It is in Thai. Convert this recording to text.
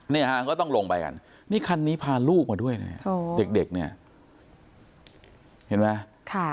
ก็ต้องลงไปกันนี่คันนี้พาลูกมาด้วยนะเด็กเนี่ยเห็นไหม